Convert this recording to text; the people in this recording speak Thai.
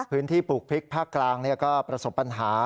พื้นที่ปลูกพริกภาคกลางก็ประสบปัญหา